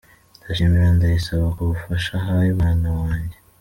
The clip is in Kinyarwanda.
Ndashimira Ndayisaba ku bufasha ahaye umwana wanjye.